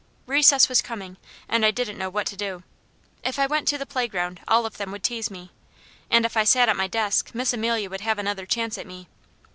Recess was coming and I didn't know what to do. If I went to the playground, all of them would tease me; and if I sat at my desk Miss Amelia would have another chance at me.